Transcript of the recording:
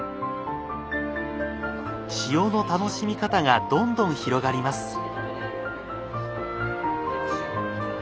塩の楽しみ方がどんどん広がります。